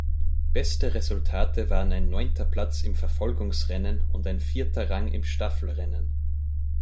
Beste Resultate waren ein neunter Platz im Verfolgungsrennen und ein vierter Rang im Staffelrennen.